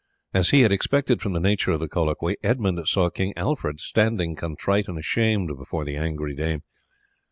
As he had expected from the nature of the colloquy Edmund saw King Alfred standing contrite and ashamed before the angry dame.